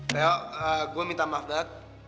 teo eh gua minta maaf banget